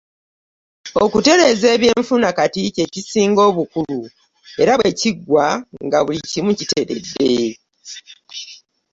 Okutereeza ebyenfuna kati kye kisinga obukulu era bwe kiggwa nga buli kimu kiteredde.